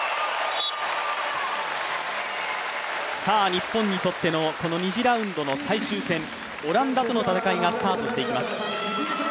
日本にとっての２次ラウンドの最終戦、オランダとの戦いがスタートしていきます。